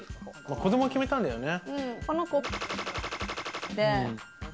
子供が決めたんだよね。